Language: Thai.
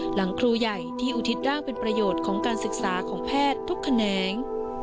หลังครูใหญ่ที่อุทิศร่างเป็นประโยชน์ของการศึกษาของแพทย์ทุกแขนง